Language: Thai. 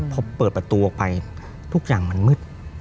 พอเปิดประตูออกไปทุกอย่างมันมืด